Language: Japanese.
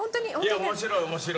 いや面白い面白い。